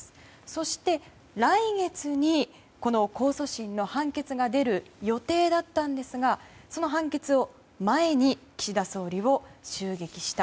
そして、来月に控訴審の判決が出る予定だったんですがその判決を前に岸田総理を襲撃した。